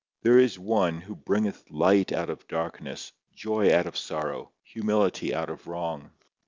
There is One who bringeth light out of darkness, joy out of sorrow, humility out of wrong.